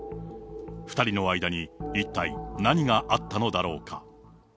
２人の間に一体何があったのだろうか。